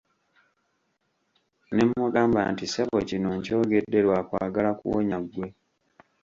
Ne mmugamba nti "Ssebo kino nkyogedde lwa kwagala kuwonya ggwe.